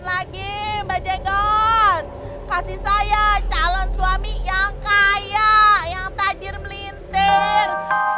lagi bajengot pasti saya calon suami yang kaya yang tajir melintir